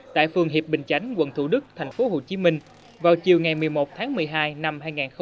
tại phường hiệp bình chánh quận thủ đức tp hcm vào chiều ngày một mươi một tháng một mươi hai năm hai nghìn hai mươi ba